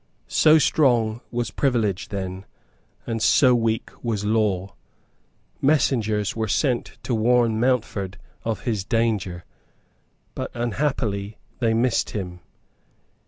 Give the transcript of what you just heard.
So strong was privilege then; and so weak was law. Messengers were sent to warn Mountford of his danger; but unhappily they missed him.